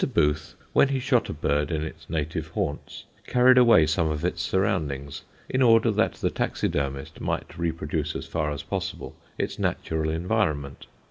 Booth, when he shot a bird in its native haunts, carried away some of its surroundings in order that the taxidermist might reproduce as far as possible its natural environment.